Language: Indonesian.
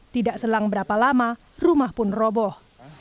tidak selang berapa lama rumah pun roboh